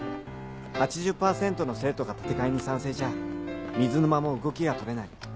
８０％の生徒が建て替えに賛成じゃ水沼も動きがとれない。